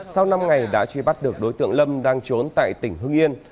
sau năm ngày đã truy bắt được đối tượng lâm đang trốn tại tỉnh hưng yên